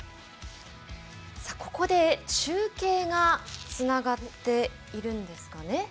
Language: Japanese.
さあ、ここで中継がつながっているんですかね。